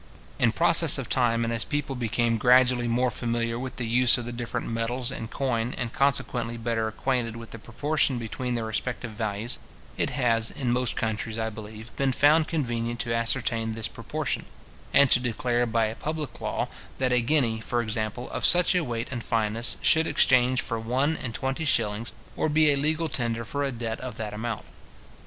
In process of time, and as people became gradually more familiar with the use of the different metals in coin, and consequently better acquainted with the proportion between their respective values, it has, in most countries, I believe, been found convenient to ascertain this proportion, and to declare by a public law, that a guinea, for example, of such a weight and fineness, should exchange for one and twenty shillings, or be a legal tender for a debt of that amount.